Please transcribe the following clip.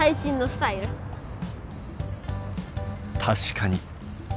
確かに。